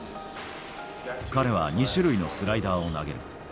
彼は２種類のスライダーを投げる。